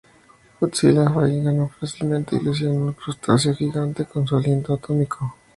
Godzilla ganó fácilmente y lesionó el crustáceo gigante con su aliento atómico.